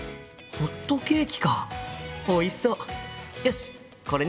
「ホットケーキ」。